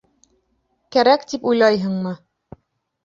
— Кәрәк, тип уйлайһыңмы?